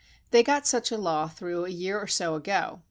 They got such a law through a year or so ago.